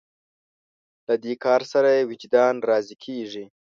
له دې کار سره یې وجدان راضي کېږي.